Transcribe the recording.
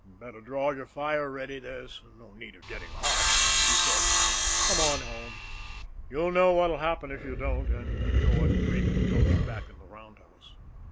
"Better draw your fire, Reddy; there's no need of getting hot," he said. "Come on home; you know what'll happen if you don't; and you know what Regan told you back there in the roundhouse."